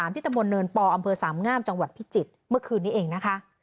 ที่ตะบนเนินปอสามงามจังหวัดพิจิตรเมื่อคืนนี้เองนะคะ